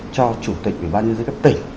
cho chủ tịch quỹ ban nhân dân cấp tỉnh